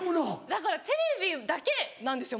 だからテレビだけなんですよ